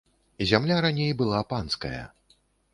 Зямля раней была панская.